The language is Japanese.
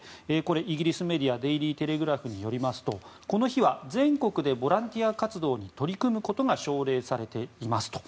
イギリスメディアデイリー・テレグラフによりますとこの日は全国でボランティア活動に取り込むことが奨励されていますと。